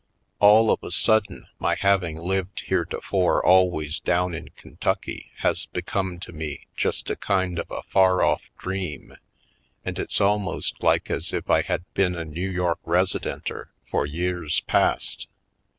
All of a sudden my having lived heretofore always down in Kentucky has become to me just a kind of a far off dream and it's al most like as if I had been a New York resi denter for years past.